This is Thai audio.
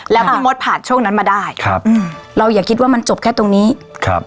แล้วพี่มดผ่านช่วงนั้นมาได้ครับอืมเราอย่าคิดว่ามันจบแค่ตรงนี้ครับ